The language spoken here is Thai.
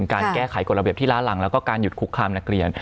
การแก้ไขกฎระเบียบที่ล้าหลังแล้วก็การหยุดคุกคามนักเรียน